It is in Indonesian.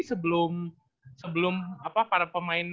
sebelum sebelum apa para pemain